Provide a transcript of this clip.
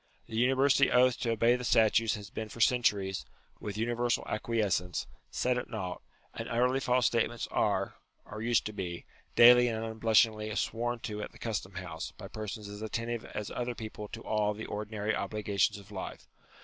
The university oath to obey the statutes has been for centuries, with universal acquiescence, set at nought : and utterly false state ments are (or used to be) daily and unblushingly sworn to at the Custom house, by persons as attentive as other people to all the ordinary obligations of life.